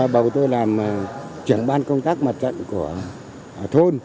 bầu tôi làm trưởng ban công tác mặt trận của thôn